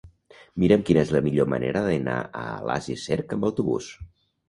Mira'm quina és la millor manera d'anar a Alàs i Cerc amb autobús.